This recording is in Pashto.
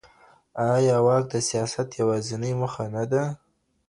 ايا واک د سياست يوازينۍ موخه نه ده؟